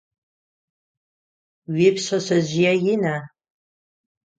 Уипшъэшъэжъые ина?